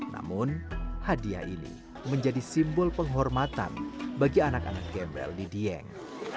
namun hadiah ini menjadi simbol penghormatan bagi anak anak gembel di dieng